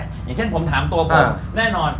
อย่างเช่นผมถามตัวผมแน่นอน